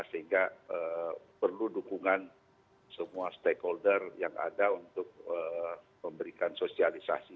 sehingga perlu dukungan semua stakeholder yang ada untuk memberikan sosialisasi